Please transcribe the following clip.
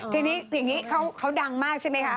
ทีนี้อย่างนี้เขาดังมากใช่ไหมคะ